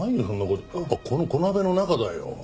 あっこの小鍋の中だよ。